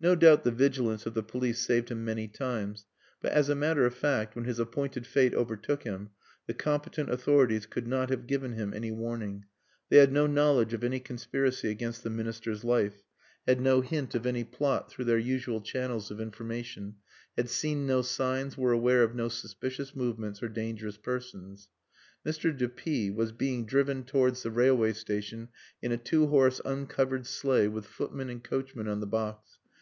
No doubt the vigilance of the police saved him many times; but, as a matter of fact, when his appointed fate overtook him, the competent authorities could not have given him any warning. They had no knowledge of any conspiracy against the Minister's life, had no hint of any plot through their usual channels of information, had seen no signs, were aware of no suspicious movements or dangerous persons. Mr. de P was being driven towards the railway station in a two horse uncovered sleigh with footman and coachman on the box.